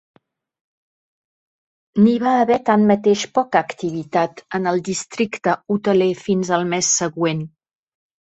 N'hi va haver, tanmateix, poca activitat en el districte hoteler fins al mes següent.